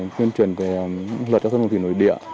tuyên truyền về luật giao thông thủy nổi địa